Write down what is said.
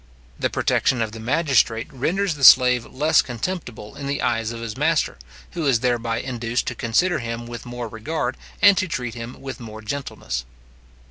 The protection of the magistrate renders the slave less contemptible in the eyes of his master, who is thereby induced to consider him with more regard, and to treat him with more gentleness.